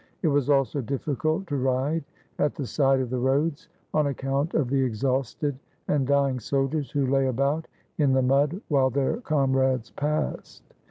It was also difficult to ride at the side of the roads, on account of the exhausted and dying soldiers who lay about in the mud while their comrades passed.